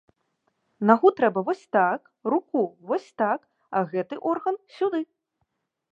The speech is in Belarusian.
Нагу трэба вось так, руку вось так, а гэты орган сюды.